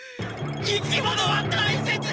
生き物は大切に！